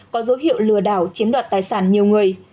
có dấu hiệu lừa đảo chiếm đoạt tài sản nhiều người